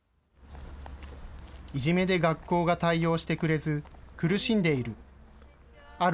いじめで学校が対応してくれず、苦しんでいる。